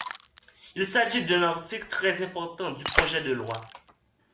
Il s’agit d’un article très important du projet de loi.